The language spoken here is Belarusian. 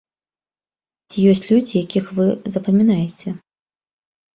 Ці ёсць людзі, якіх вы запамінаеце?